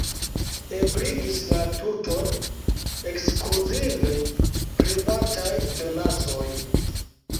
Ebligis la tuton ekskluzive privataj donacoj.